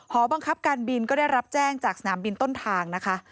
หบังคับการบินก็ได้รับแจ้งจากสนามบินต้นทางนะคะ